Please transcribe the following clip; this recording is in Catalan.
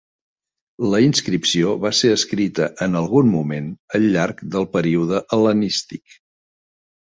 La inscripció va ser escrita en algun moment al llarg del període hel·lenístic.